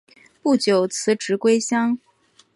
不久辞职归乡。